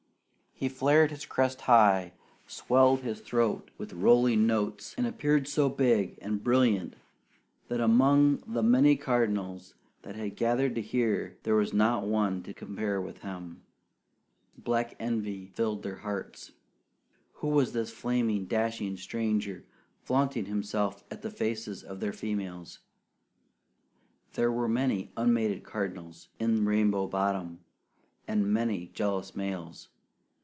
He flared his crest high, swelled his throat with rolling notes, and appeared so big and brilliant that among the many cardinals that had gathered to hear, there was not one to compare with him. Black envy filled their hearts. Who was this flaming dashing stranger, flaunting himself in the faces of their females? There were many unmated cardinals in Rainbow Bottom, and many jealous males.